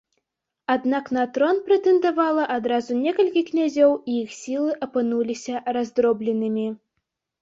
Аднак на трон прэтэндавала адразу некалькі князёў і іх сілы апынуліся раздробленымі.